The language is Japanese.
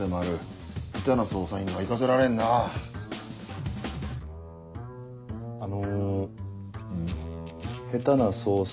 あの。